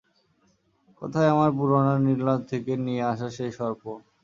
কোথায় আমার পুরনো নীলনদ থেকে নিয়ে আসা সেই সর্প?